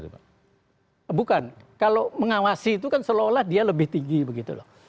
bukan kalau mengawasi itu kan seolah olah dia lebih tinggi begitu loh